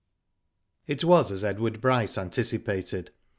It was as Edward Bryce anticipated.